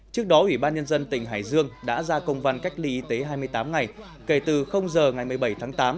trước đó ủy ban nhân dân tỉnh hải dương đã ra công văn cách ly y tế hai mươi tám ngày kể từ giờ ngày một mươi bảy tháng tám